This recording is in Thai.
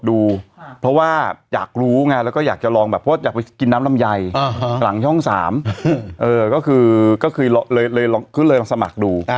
ดูเพราะว่าอยากรู้ไงแล้วก็อยากจะลองแบบว่าอยากไปกินน้ำลำไยหลังช่อง๓ก็คือเลยมาสมัครดู